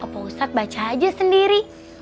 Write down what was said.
pak ustadz baca aja sendiri